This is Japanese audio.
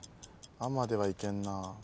「あ」までは行けんな。